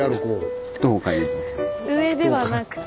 上ではなくて？